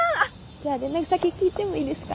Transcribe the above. じゃあ連絡先聞いてもいいですか？